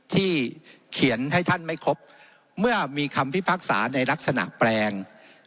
ที่เขียนให้ท่านไม่ครบเมื่อมีคำพิพากษาในลักษณะแปลง